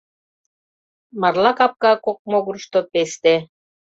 Марла капка кок могырышто — песте.